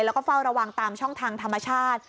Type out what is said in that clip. แล้วก็เฝ้าระวังตามช่องทางธรรมชาติ